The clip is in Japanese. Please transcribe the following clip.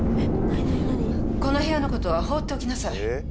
この部屋のことは放っておきなさい